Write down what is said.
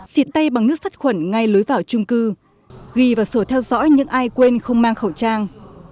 xịt tay bằng nước sắt khuẩn ngay lối vào trung cư ghi vào sổ theo dõi những ai quên không mang khẩu trang